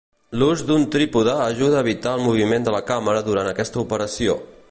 L'ús d'un trípode ajuda a evitar el moviment de la càmera durant aquesta operació.